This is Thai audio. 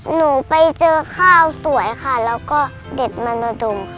หนูไปเจอข้าวสวยค่ะแล้วก็เด็ดมานดลม